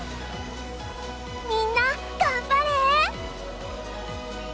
みんな頑張れ！